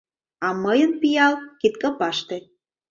А мыйын пиал — кидкопаште.